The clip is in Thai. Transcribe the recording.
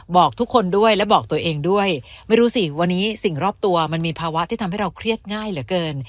บอกทุกคนด้วยและบอกตัวเองด้วยไม่รู้สิวันนี้สิ่งรอบตัวมันมีภาวะที่ทำให้เราเครียดง่ายเหลือเกิน